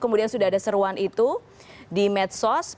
kemudian sudah ada seruan itu di medsos